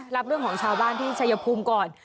รับเรื่องของชาวบ้านที่ชายภูมิก่อน